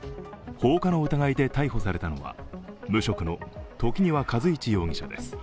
放火の疑いで逮捕されたのは無職の時庭和一容疑者です。